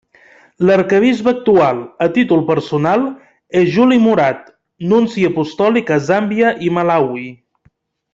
L'arquebisbe actual, a títol personal, és Juli Murat, nunci apostòlic a Zàmbia i Malawi.